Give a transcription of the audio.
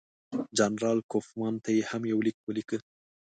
جنرال کوفمان ته یې هم یو لیک ولیکه.